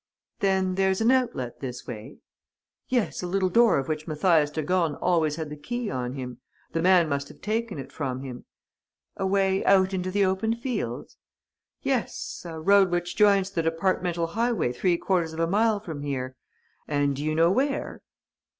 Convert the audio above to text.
"Then there's an outlet this way?" "Yes, a little door of which Mathias de Gorne always had the key on him. The man must have taken it from him." "A way out into the open fields?" "Yes, a road which joins the departmental highway three quarters of a mile from here.... And do you know where?"